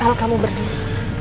al kamu berdiri